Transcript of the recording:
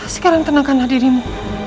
sekarang tenangkanlah dirimu